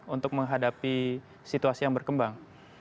untuk menghadapi situasi yang berkembang